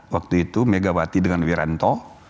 waktu itu megawati dengan wiranto